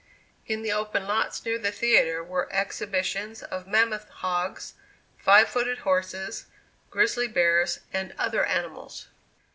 In the open lots near the theatre were exhibitions of mammoth hogs, five footed horses, grizzly bears, and other animals.